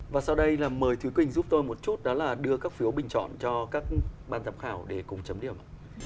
và sau đây là mời thứnh giúp tôi một chút đó là đưa các phiếu bình chọn cho các ban giám khảo để cùng chấm điểm